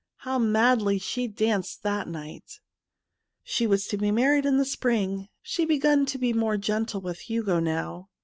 How madly she danced that night ! She was to be married in the spring. She began to be more gentle with Hugo now.